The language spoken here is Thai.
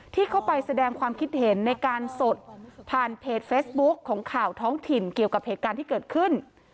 ที่เข้าไปแสดงความคิดเห็นในการสดผ่านเพจเฟซบุ๊คของข่าวท้องถิ่นเกี่ยวกับเหตุการณ์ที่เกิดขึ้น